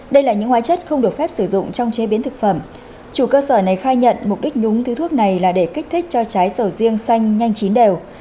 đây là những hóa chất không được phép sử dụng trong chế biến thực phẩm chủ cơ sở này khai nhận mục đích nhúng thứ thuốc này là để kích thích cho trái sầu riêng xanh nhanh chín đều